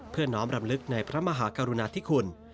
เพื่อน้องรำลึกในพระมหากรุณาที่คุณ